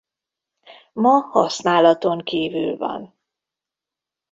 Ma használaton kívül van.